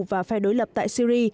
và phe đối lập tại syri